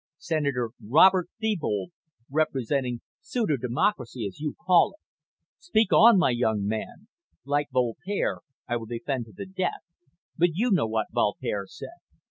"Senator Robert Thebold, representing pseudo democracy, as you call it. Speak on, my young friend. Like Voltaire, I will defend to the death but you know what Voltaire said."